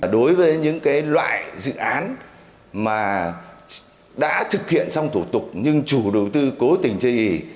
dự án của bộ xây dựng đã thực hiện xong những thủ tục nhưng chủ đầu tư cố tình chế ý